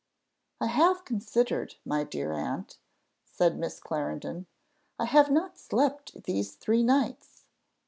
"I have considered, my dear aunt," said Miss Clarendon. "I have not slept these three nights.